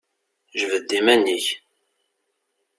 Jbed-d iman-ik!